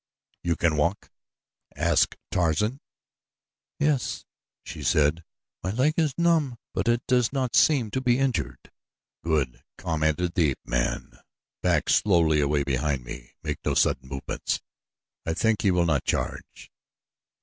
"You can walk?" asked Tarzan. "Yes," she said; "my leg is numb; but it does not seem to be injured." "Good," commented the ape man. "Back slowly away behind me make no sudden movements. I think he will not charge."